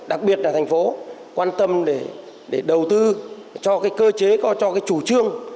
đặc biệt là thành phố quan tâm để đầu tư cho cơ chế cho chủ trương